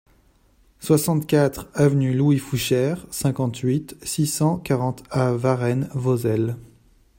soixante-quatre avenue Louis Fouchere, cinquante-huit, six cent quarante à Varennes-Vauzelles